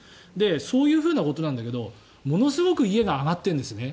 そういうふうなことなんだけどものすごく上がってるんですね